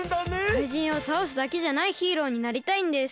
かいじんをたおすだけじゃないヒーローになりたいんです。